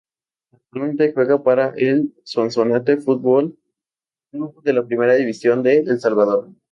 Actualmente juega para el Sonsonate Fútbol Club de la Primera División de El Salvador.